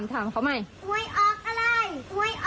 มันต้องจอดเกาะกรู